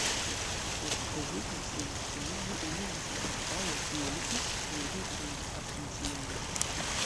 Post rezigni sian postenon, li elmigris al Paragvajo, kie li estis murdita en Asunciono.